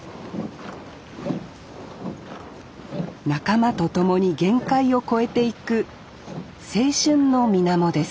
仲間と共に限界を超えていく青春の水面です